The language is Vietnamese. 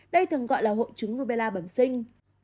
đây thường gọi là hội chứng rubella bẩm sinh